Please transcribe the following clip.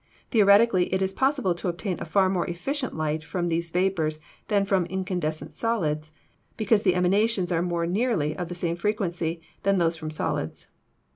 Theoretically it is pos sible to obtain a far more efficient light from these vapors than from incandescent solids, because the emanations are more nearly of the same frequency than those from solids.